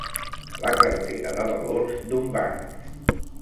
La cartera de valors d'un banc.